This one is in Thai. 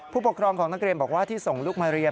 ผู้ปกครองของนักเรียนบอกว่าที่ส่งลูกมาเรียน